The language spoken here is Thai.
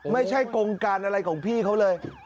ไม่ใช่กงการอะไรของพี่เขาเลย